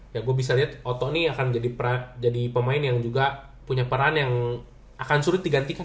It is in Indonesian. ya gua bisa lihat otto ini akan jadi pemain yang juga punya peran yang akan surut digantikan lah